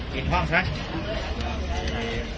กินข้องใช่ไหม